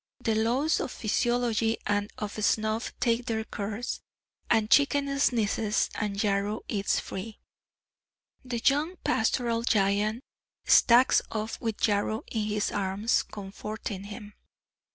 The laws of physiology and of snuff take their course; the Chicken sneezes, and Yarrow is free. The young pastoral giant stalks off with Yarrow in his arms comforting him.